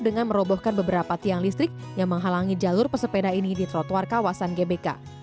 dengan merobohkan beberapa tiang listrik yang menghalangi jalur pesepeda ini di trotoar kawasan gbk